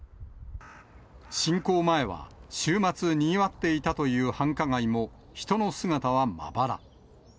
侵攻前は、週末、にぎわっていったという繁華街も、人の姿はまばら。